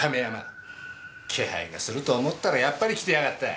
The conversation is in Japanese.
気配がすると思ったらやっぱり来てやがった。